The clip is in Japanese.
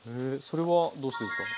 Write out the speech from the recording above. それはどうしてですか？